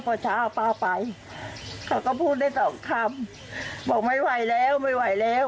พอเช้าป้าไปเขาก็พูดได้สองคำบอกไม่ไหวแล้วไม่ไหวแล้ว